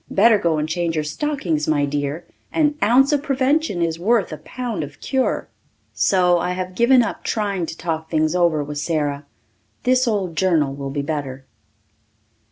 Better go and change your stockings, my dear. 'An ounce of prevention is worth a pound of cure.'" So I have given up trying to talk things over with Sara. This old journal will be better.